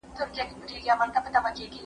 ايا اسلامي شريعت سوله مشروع کړې ده؟